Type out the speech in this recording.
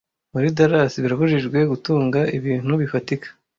Muri Dallas birabujijwe gutunga ibintu bifatika